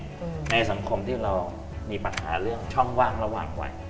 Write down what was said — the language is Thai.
ในสังคมที่เรามีปัญหาเรื่องช่องว่างระหว่างวัย